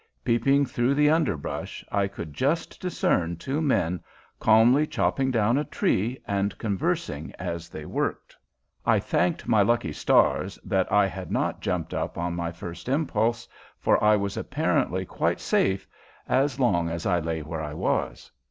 Peeping through the underbrush, I could just discern two men calmly chopping down a tree and conversing as they worked. I thanked my lucky stars that I had not jumped up on my first impulse, for I was apparently quite safe as long as I lay where I was.